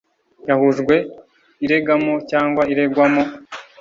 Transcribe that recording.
yahujwe iregamo cyangwa iregwamo